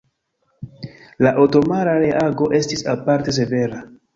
La otomana reago estis aparte severa.